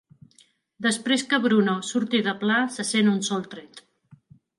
Després que Bruno surti de pla, se sent un sol tret.